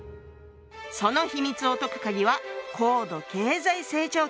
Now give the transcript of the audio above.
その秘密を解くカギは高度経済成長期。